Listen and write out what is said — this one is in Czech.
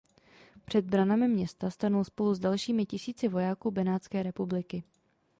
Před branami města stanul spolu s dalšími tisíci vojáků Benátské republiky.